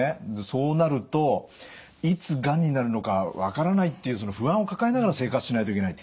そうなるといつがんになるのか分からないっていうその不安を抱えながら生活しないといけない。